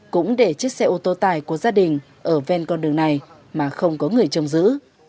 cũng để chiếc xe ô tô tải của gia đình ở ven con đường này mà không có người trông giữ